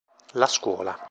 La scuola